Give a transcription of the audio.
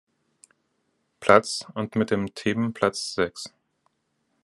Platz und mit dem Team Platz sechs.